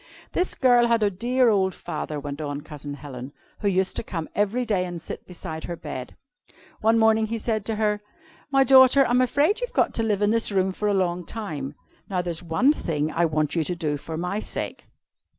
"This girl had a dear old father," went on Cousin Helen, "who used to come every day and sit beside her bed. One morning he said to her: "'My daughter, I'm afraid you've got to live in this room for a long time. Now there's one thing I want you to do for my sake.'